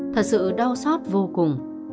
thật sự đau xót vô cùng